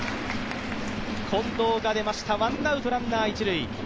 近藤が出ました、ワンアウトランナー一塁。